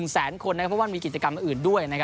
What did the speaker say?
แสนคนเพราะว่ามีกิจกรรมอื่นด้วย